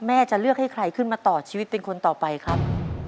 จะเลือกให้ใครขึ้นมาต่อชีวิตเป็นคนต่อไปครับ